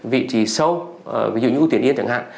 vị trí sâu ví dụ như u tuyến yên chẳng hạn